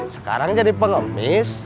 sekarang jadi pengemis